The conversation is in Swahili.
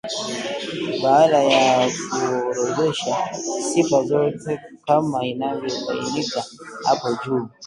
Baada ya kuorodhesha sifa zote kama inavyobainika hapo juu